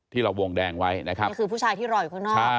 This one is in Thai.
ที่เราวงแดงไว้นะครับนี่คือผู้ชายที่รออยู่ข้างนอก